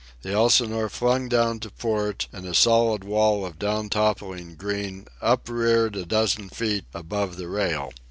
The Elsinore flung down to port, and a solid wall of down toppling green upreared a dozen feet above the rail.